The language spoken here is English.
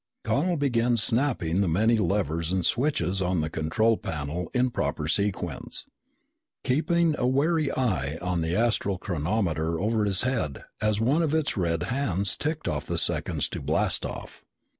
Connel began snapping the many levers and switches on the control panel in proper sequence, keeping a wary eye on the astral chronometer over his head as one of its red hands ticked off the seconds to blast off.